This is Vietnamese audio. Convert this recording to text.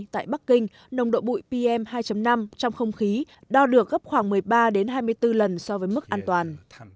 tại bắc kinh nồng độ bụi pm hai năm trong không khí đo được gấp khoảng một mươi ba hai mươi bốn lần so với mức an toàn